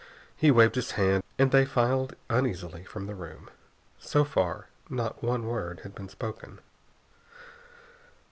He waved his hand and they filed uneasily from the room. So far, not one word had been spoken.